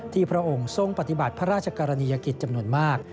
พระองค์ทรงปฏิบัติพระราชกรณียกิจจำนวนมาก